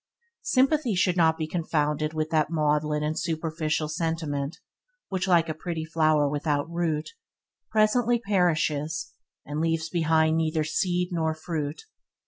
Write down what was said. Sympathy should not be confounded with that maudlin and superficial sentiment which, like a pretty flower without root, presently perishes and leaves behind neither seed nor fruit.